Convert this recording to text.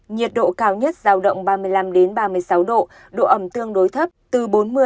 nhiệt độ cao nhất giao động ba mươi năm ba mươi sáu độ độ ẩm tương đối thấp từ bốn mươi năm mươi